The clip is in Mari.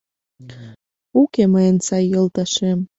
Уке мыйын сай йолташем